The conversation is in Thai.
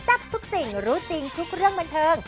ทับทุกสิ่งรู้จริงทุกเรื่องบันเทิง